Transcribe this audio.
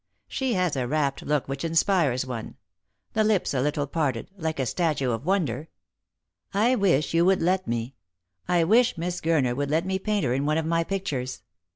She has a rapt look which inspires one — the lips a little parted, like a statue of Wonder. I wish you would let me — I wish Miss Gurner would let me paint her in one of my pictures.